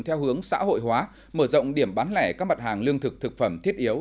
theo hướng xã hội hóa mở rộng điểm bán lẻ các mặt hàng lương thực thực phẩm thiết yếu